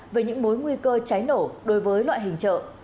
về những mối nguy cơ cháy nổ đối với loại hình chợ